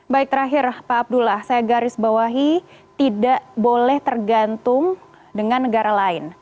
baik terakhir pak abdullah saya garis bawahi tidak boleh tergantung dengan negara lain